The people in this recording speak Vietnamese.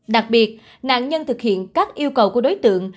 đặc biệt nạn nhân thực hiện các yêu cầu của đối tượng